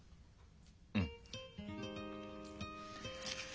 うん。